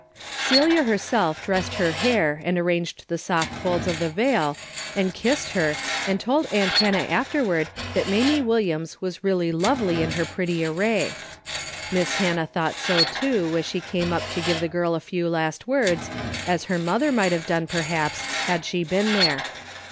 Celia herself dressed her hair and arranged the soft folds of the veil, and hissed her, and told aunt Hannah afterward that Mamie Williams was really lovely in her pretty array. Miss Hannah thought so too as she came up to give the girl a few last words, as her mother might have done, perhaps, had she been there.